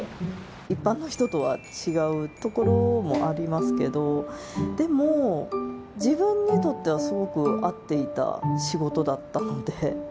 「一般の人とは違うところもありますけどでも自分にとってはすごく合っていた仕事だったので」。